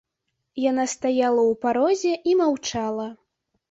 Яна стаяла ў парозе і маўчала.